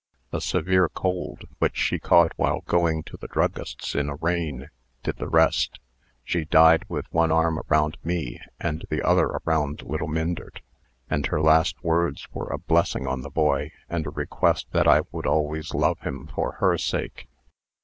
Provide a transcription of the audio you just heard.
A severe cold, which she caught while going to the druggist's in a rain, did the rest. She died with one arm around me and the other around little Myndert; and her last words were a blessing on the boy, and a request that I would always love him for her sake."